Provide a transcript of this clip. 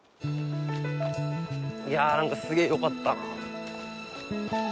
いや何かすげえよかったな。